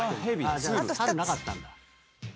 じゃあ猿なかったんだ。